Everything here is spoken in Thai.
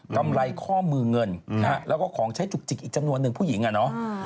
กำไรข้อมือเงินแล้วก็ของใช้จุกจิกอีกจำนวนหนึ่งผู้หญิงอะเนาะ